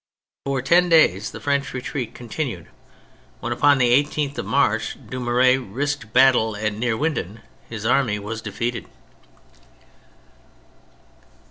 For ten days the French retreat continued, when, upon the 18th of March, Dumouriez risked battle at Neerwinden. His army was defeated.